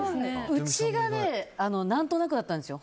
うちが何となくだったんですよ。